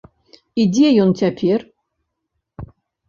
І дзе ён цяпер?